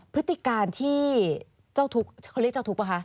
พฤติการที่เจ้าทุกข์เขาเรียกเจ้าทุกข์ป่ะคะ